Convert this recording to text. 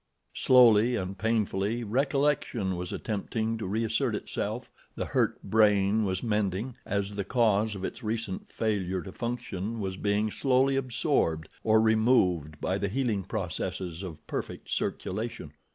Slowly and painfully, recollection was attempting to reassert itself, the hurt brain was mending, as the cause of its recent failure to function was being slowly absorbed or removed by the healing processes of perfect circulation.